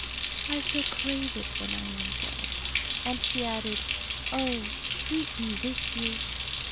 I shall crave it when I am dead." And she added, "Oh, keep me with you!"